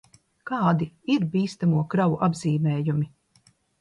Kādi ir bīstamo kravu apzīmējumi?